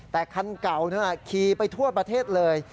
แต่คันเก่าขี่ไปทั่วประเทศเลย